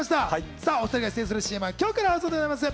さぁ、お２人が出演するＣＭは今日から放送です。